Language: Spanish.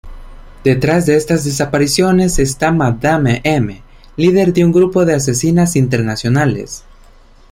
Detrás de estas desapariciones está Madame M, líder de un grupo de asesinas internacionales.